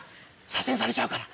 左遷されちゃうから。